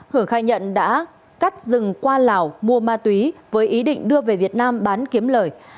hửa khai nhận đã cắt rừng qua lào mua ma túy với ý định đưa về việt nam bán kiếm lời